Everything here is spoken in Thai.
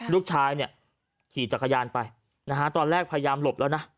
ลูกชายเนี่ยขี่จักรยานไปนะฮะตอนแรกพยายามหลบแล้วนะ